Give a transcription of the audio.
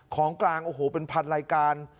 ของกลางโอ้โหเป็นพันรายการ